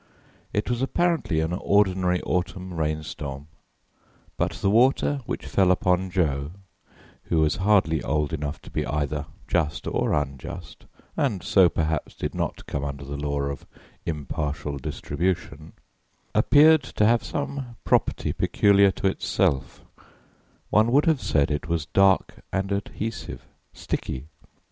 It was apparently an ordinary autumn rainstorm, but the water which fell upon Jo (who was hardly old enough to be either just or unjust, and so perhaps did not come under the law of impartial distribution) appeared to have some property peculiar to itself: one would have said it was dark and adhesive sticky.